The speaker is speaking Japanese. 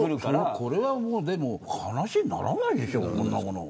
これは話にならないでしょこんなものは。